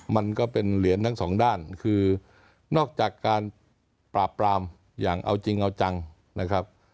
มันก็เป็นเหรียญทั้งสองด้านคือนอกจากการปราบปรามอย่างเอาจริงเอาจังนะครับ